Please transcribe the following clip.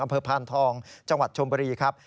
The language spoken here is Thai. พานทองจังหวัดชมบุรีครับ